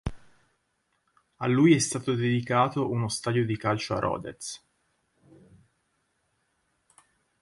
A lui è stato dedicato uno stadio di calcio a Rodez.